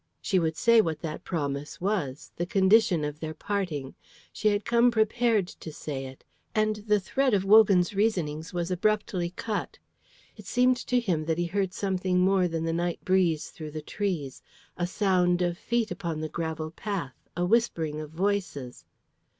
She would say what that promise was, the condition of their parting. She had come prepared to say it and the thread of Wogan's reasonings was abruptly cut. It seemed to him that he heard something more than the night breeze through the trees, a sound of feet upon the gravel path, a whispering of voices.